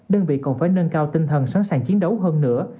đơn vị còn phải nâng cao tinh thần sẵn sàng chiến đấu hơn nữa